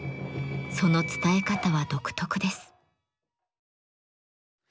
その伝え方は独特です。